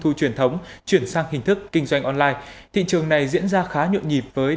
thu truyền thống chuyển sang hình thức kinh doanh online thị trường này diễn ra khá nhộn nhịp với